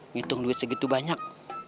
ngitung duit segitu banyak